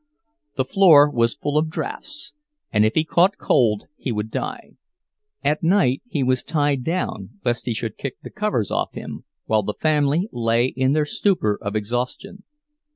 The floor was full of drafts, and if he caught cold he would die. At night he was tied down, lest he should kick the covers off him, while the family lay in their stupor of exhaustion.